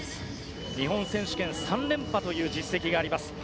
日本選手権３連覇という実績があります。